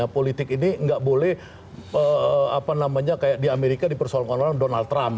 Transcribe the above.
politik ini nggak boleh kayak di amerika di persoalan orang orang donald trump